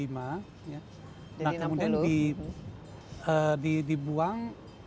nah kemudian dibuang